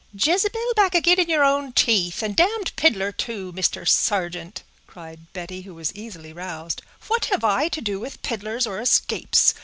"Jezebel back ag'in in your own teeth, and damned piddler too, Mr. Sargeant!" cried Betty, who was easily roused. "What have I to do with piddlers, or escapes?